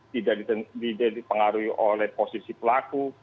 tidak dipengaruhi oleh posisi pelaku